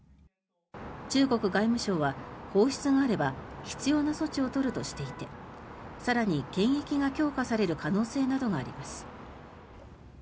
中国外務省は放出があれば必要な措置を取るとしていて更に検疫が強化される可能性などがあります。